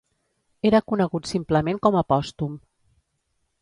Era conegut simplement com a Pòstum.